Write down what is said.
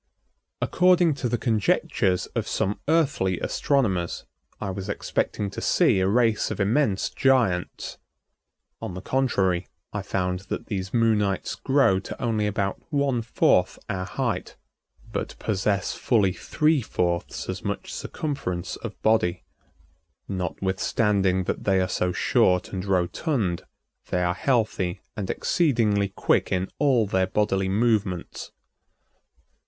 According to the conjectures of some earthly astronomers I was expecting to see a race of immense giants. On the contrary, I found that these Moonites grow to only about one fourth our height, but possess fully three fourths as much circumference of body. Notwithstanding that they are so short and rotund, they are healthy and exceedingly quick in all their bodily movements.